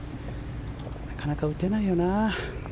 なかなか打てないよな。